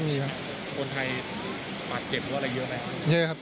คนไทยหมาดเจ็บหรืออะไรเยอะไหม